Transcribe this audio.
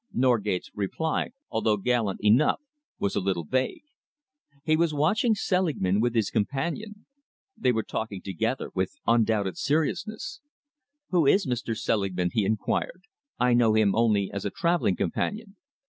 Norgate's reply, although gallant enough, was a little vague. He was watching Selingman with his companion. They were talking together with undoubted seriousness. "Who is Mr. Selingman?" he enquired. "I know him only as a travelling companion."